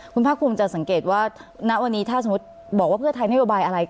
คุณภาคภูมิจะสังเกตว่าณวันนี้ถ้าสมมุติบอกว่าเพื่อไทยนโยบายอะไร